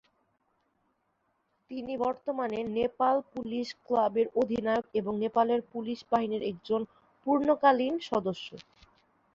তিনি বর্তমানে নেপাল পুলিশ ক্লাবের অধিনায়ক এবং নেপালের পুলিশ বাহিনীর একজন পূর্ণকালীন সদস্য।